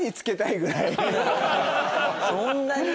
そんなに？